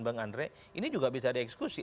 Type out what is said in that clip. bang andre ini juga bisa dieksekusi